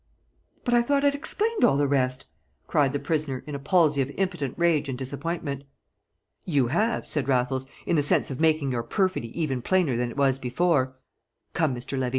"But I thought I'd explained all the rest?" cried the prisoner, in a palsy of impotent rage and disappointment. "You have," said Raffles, "in the sense of making your perfidy even plainer than it was before. Come, Mr. Levy!